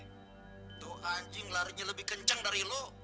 itu anjing larinya lebih kencang dari lo